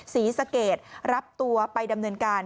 ศรีสะเกดรับตัวไปดำเนินการ